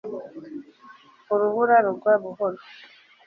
urubura rugwa buhoro